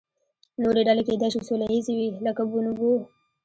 نورې ډلې کیدای شي سوله ییزې وي، لکه بونوبو.